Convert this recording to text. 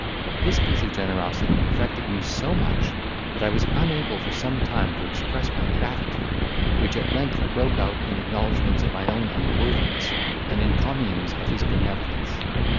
This piece of generosity affected me so much, that I was unable for some time to express my gratitude, which at length broke out in acknowledgments of my own unworthiness, and encomiums on his benevolence.